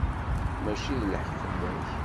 Mačči d lḥeqq fell-ak.